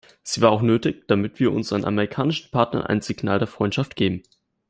Sie war auch nötig, damit wir unseren amerikanischen Partnern ein Signal der Freundschaft geben.